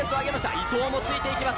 伊藤もついていきます。